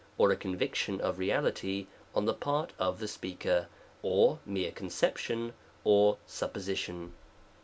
199 conviction of reality on the part of the speaker, or mere conception or supposition.